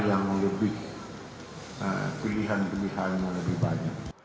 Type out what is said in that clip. yang lebih pilihan pilihan yang lebih banyak